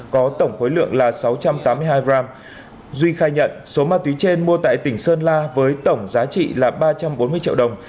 và sáu trăm tám mươi hai gram duy khai nhận số ma túy trên mua tại tỉnh sơn la với tổng giá trị là ba trăm bốn mươi triệu đồng